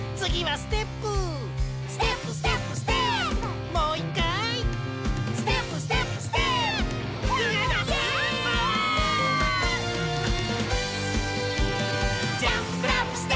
ステップ！